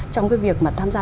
trong cái việc mà tham gia